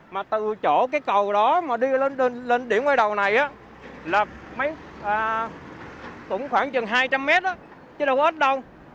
mà từ chỗ cái cầu đó mà đi lên điểm ngoài đầu này là khoảng chừng hai trăm linh mét chứ đâu có ít đâu